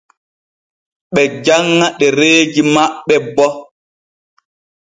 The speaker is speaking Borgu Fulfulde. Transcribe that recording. Ɓe janŋa ɗereeji maɓɓe bo.